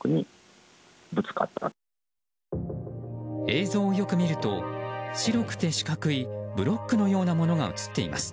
映像をよく見ると白くて四角いブロックのようなものが映っています。